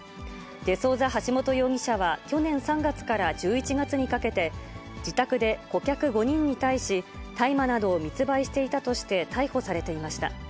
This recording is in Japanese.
デ・ソウザ・ハシモト容疑者は去年３月から１１月にかけて、自宅で顧客５人に対し、大麻などを密売していたとして逮捕されていました。